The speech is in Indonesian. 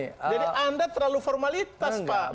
jadi anda terlalu formalitas pak